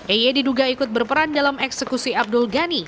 eye diduga ikut berperan dalam eksekusi abdul ghani